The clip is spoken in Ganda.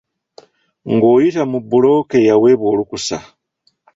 Ng'oyita mu bbulooka eyaweebwa olukusa.